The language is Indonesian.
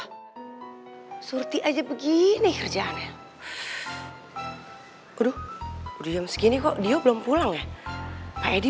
charismatic gua surty ajab begini kerjaannya udah diam segini kok dia belum pulang mantap edy